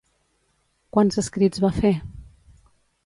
Quants escrits va fer?